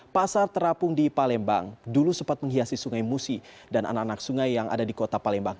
pasar terapung di palembang dulu sempat menghiasi sungai musi dan anak anak sungai yang ada di kota palembang